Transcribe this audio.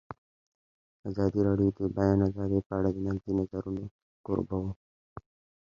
ازادي راډیو د د بیان آزادي په اړه د نقدي نظرونو کوربه وه.